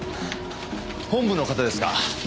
本部の方ですか？